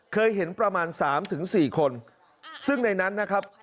เคยเห็นประมาณ๓๔คนซึ่งในนั้นนะครับ